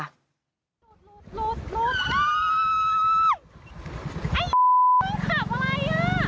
ไอ้คับอะไร